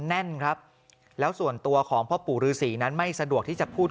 แน่นครับแล้วส่วนตัวของพ่อปู่ฤษีนั้นไม่สะดวกที่จะพูด